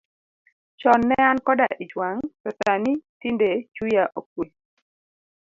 Chon ne an koda ich wang', to sani tinde chuya okwe.